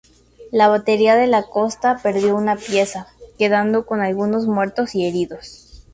La batería de la costa perdió una pieza, quedando con algunos muertos y heridos.